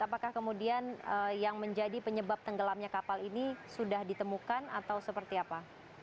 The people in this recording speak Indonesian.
apakah kemudian yang menjadi penyebab tenggelamnya kapal ini sudah ditemukan atau seperti apa